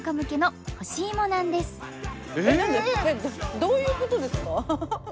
どういうことですか？